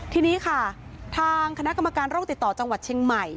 ทีนี้ค่ะทางคณะกรรมการโรคติดต่อจังหวัดเชียงใหม่